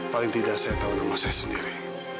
paling tidak saya tahu nama saya sendiri